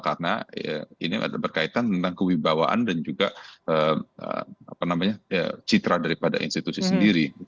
karena ini berkaitan tentang kewibawaan dan juga citra daripada institusi sendiri